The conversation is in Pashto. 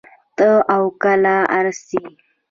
تۀ او کله ار سې